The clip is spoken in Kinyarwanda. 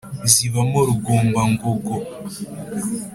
Zibamo Rugombangogo,